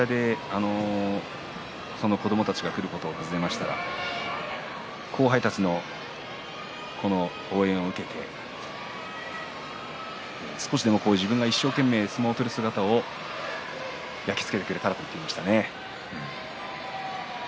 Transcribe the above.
今日は支度部屋で子どもたちが来ることを尋ねましたが後輩たちの応援を受けて少しでも自分が一生懸命相撲を取る姿を焼き付けてくれたらと話していました。